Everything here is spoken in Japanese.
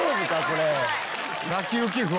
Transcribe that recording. これ。